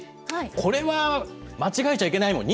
これは間違えちゃいけないもん。